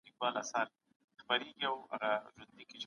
نه د ژړا نه د خندا خاوند دی